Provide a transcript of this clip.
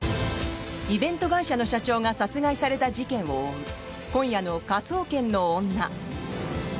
イベント会社の社長が殺害された事件を追う今夜の「科捜研の女」。